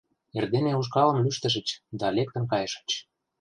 Эрдене ушкалым лӱштышыч да лектын кайышыч.